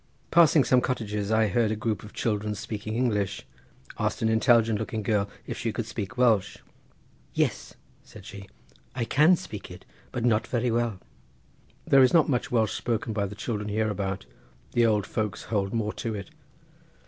Passing some cottages I heard a group of children speaking English. Asked an intelligent looking girl if she could speak Welsh. "Yes," said she, "I can speak it, but not very well. There is not much Welsh spoken by the children hereabout. The old folks hold more to it."